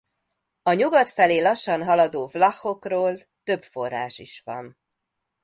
A nyugat felé lassan haladó vlachokról több forrás is van.